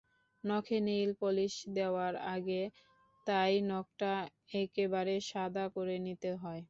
নখে nail polish দেওয়ার আগে তাই নখটা একেবারে সাদা করে নিতে হয়।